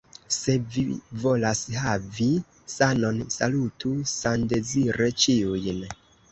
Se vi volas havi sanon, salutu sandezire ĉiujn.